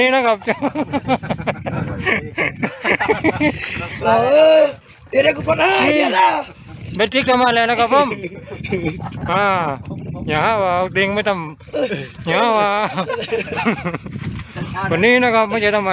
โน้ทกับผมอ่าแย่วเด็กไม่ต้องที่กับผมนี่นะครับไม่ใช้